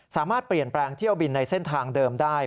สามารถเปลี่ยนแปลงเที่ยวบินในเส้นทางเดิมได้